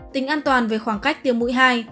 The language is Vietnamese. tính an toàn về khoảng cách tiêm mũi hai